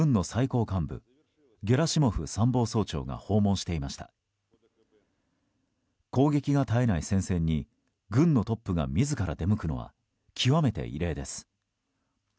攻撃が絶えない戦線に軍のトップが自ら出向くのは極めて異例です。